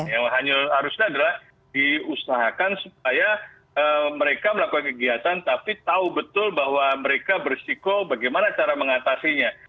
yang harusnya adalah diusahakan supaya mereka melakukan kegiatan tapi tahu betul bahwa mereka berisiko bagaimana cara mengatasinya